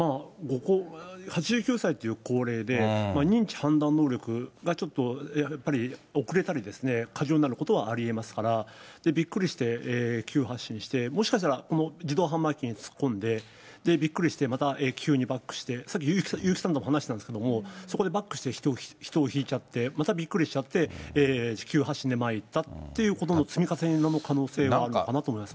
８９歳という高齢で、認知判断能力がちょっとやっぱり遅れたりですね、過剰になることはありえますから、びっくりして急発進して、もしかしたら、この自動販売機に突っ込んで、びっくりして、また急にバックして、さっき優木さんとも話してたんですけども、そこでバックして人をひいちゃって、またびっくりしちゃって、急発進で前に行ったって積み重ねの可能性があるのかなと思います